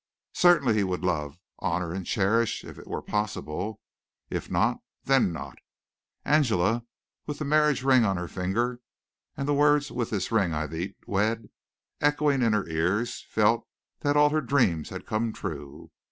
Certainly he would love, honor and cherish if it were possible if not, then not. Angela, with the marriage ring on her finger and the words "with this ring I thee wed" echoing in her ears, felt that all her dreams had come true.